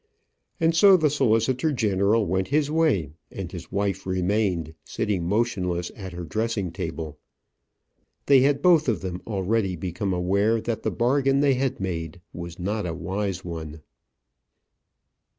And so the solicitor general went his way, and his wife remained sitting motionless at her dressing table. They had both of them already become aware that the bargain they had made was not a wise one.